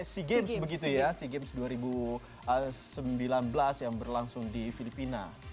sea games begitu ya sea games dua ribu sembilan belas yang berlangsung di filipina